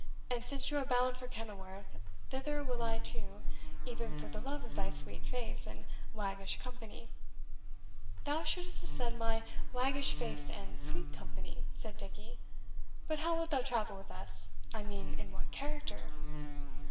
And since you are bound for Kenilworth, thither will I too, even for the love of thy sweet face and waggish company." "Thou shouldst have said my waggish face and sweet company," said Dickie; "but how wilt thou travel with us I mean in what character?"